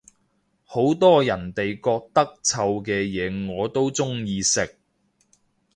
好多人哋覺得臭嘅嘢我都鍾意食